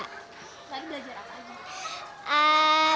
lagi belajar apa aja